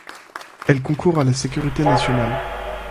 Elle concourt à la sécurité nationale.